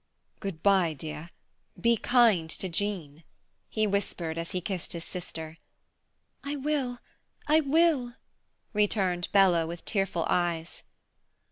"Good bye, dear. Be kind to Jean," he whispered as he kissed his sister. "I will, I will," returned Bella, with tearful eyes.